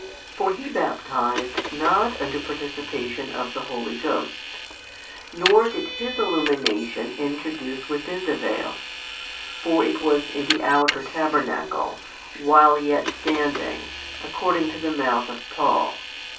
For he baptized not unto participation of the Holy Ghost, nor did his illumination introduce within the vail: for it was in the outer tabernacle, while yet standing, according to the mouth of Paul.